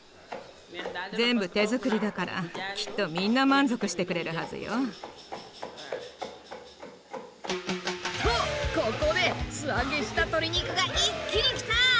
全部手作りだからきっとみんな満足してくれるはずよ。とここで素揚げした鶏肉が一気にきた！